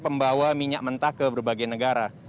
pembawa minyak mentah ke berbagai negara